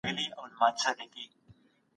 ملايکي د الله تعالی معصوم مخلوق دی